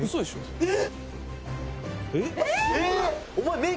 「えっ？